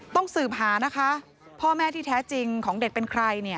สืบหานะคะพ่อแม่ที่แท้จริงของเด็กเป็นใคร